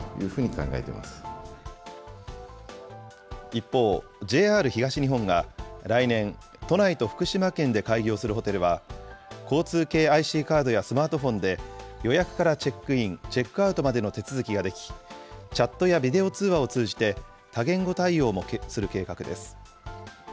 一方、ＪＲ東日本が来年、都内と福島県で開業するホテルは、交通系ＩＣカードやスマートフォンで予約からチェックイン、チェックアウトまでの手続きができ、チャットやビデオ通話を通じて多言語対応もする計画です。